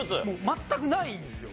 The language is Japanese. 全くないんですよ。